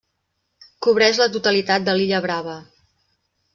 Cobreix la totalitat de l'illa Brava.